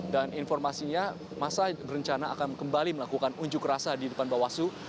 dan informasinya masa berencana akan kembali melakukan unjuk rasa di depan bawah selu